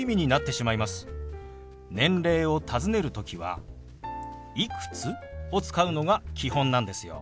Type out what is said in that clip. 年齢をたずねる時は「いくつ？」を使うのが基本なんですよ。